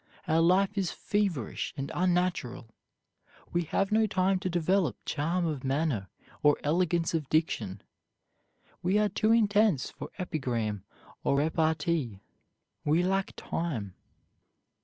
Our life is feverish and unnatural. We have no time to develop charm of manner, or elegance of diction. "We are too intense for epigram or repartee. We lack time."